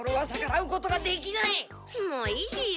もういいよ。